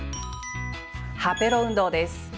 歯ペロ運動です。